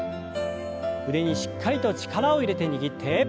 腕にしっかりと力を入れて握って。